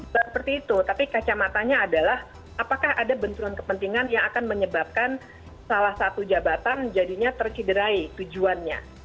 seperti itu tapi kacamatanya adalah apakah ada benturan kepentingan yang akan menyebabkan salah satu jabatan jadinya tercederai tujuannya